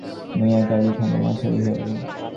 যোগমায়া হেসে বললেন, তা হলে নাহয় গাড়িখানা মাসিরই হল।